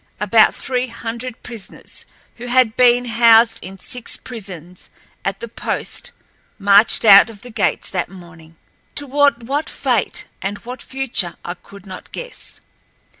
About three hundred prisoners who had been housed in six prisons at the post marched out of the gates that morning, toward what fate and what future I could not guess.